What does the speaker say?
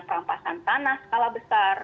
perampasan tanah skala besar